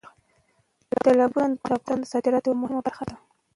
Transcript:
تالابونه د افغانستان د صادراتو یوه مهمه برخه ده.